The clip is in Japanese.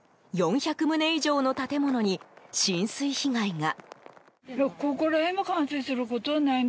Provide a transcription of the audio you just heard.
４００棟以上の建物に浸水被害が。